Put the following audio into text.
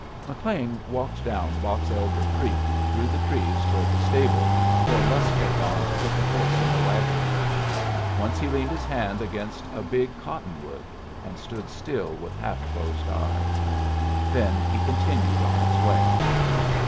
McLean walked down Box Elder Creek through the trees toward the stable, where Lusk had gone to put the horse in the wagon. Once he leaned his hand against a big cotton wood, and stood still with half closed eyes. Then he continued on his way.